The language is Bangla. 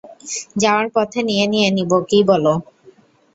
যাওয়ার পথে নিয়ে নিয়ে নিবো কি বলো?